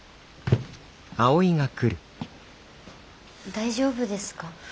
大丈夫ですか？